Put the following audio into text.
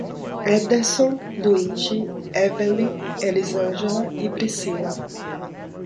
Éderson, Luigi, Eveli, Elizângela e Pricila